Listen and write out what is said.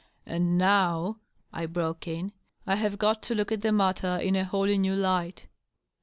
" And now," I broke in, " I have got to look at the matter in a wholly new light."